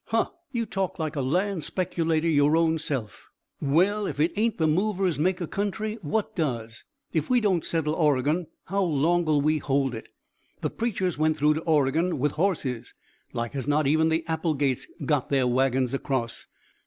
"Huh! You talk like a land speculator your own self!" "Well, if it ain't the movers make a country, what does? If we don't settle Oregon, how long'll we hold it? The preachers went through to Oregon with horses. Like as not even the Applegates got their wagons across.